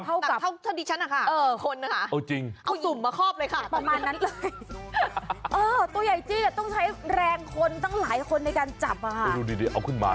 เท่าที่ฉันค่ะคนนะคะเอาสุ่มมาครอบเลยค่ะประมาณนั้นเลยเออตัวใหญ่จี้จะต้องใช้แรงคนตั้งหลายคนในการจับค่ะ